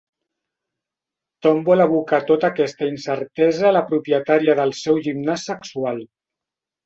Tom vol abocar tota aquesta incertesa a la propietària del seu gimnàs sexual.